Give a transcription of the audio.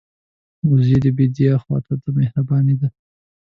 وزې د بیدیا خوا ته مهربانه ده